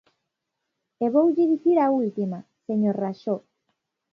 E voulle dicir a última, señor Raxó.